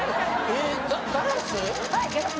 えっガラス！？